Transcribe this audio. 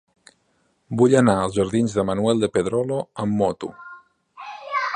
Vull anar als jardins de Manuel de Pedrolo amb moto.